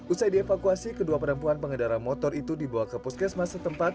usai dievakuasi kedua perempuan pengendara motor itu dibawa ke puskesmas setempat